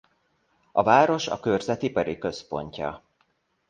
A város a körzet ipari központja.